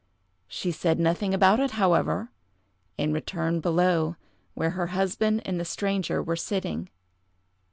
She said nothing about it, however, and returned below, where her husband and the stranger were sitting.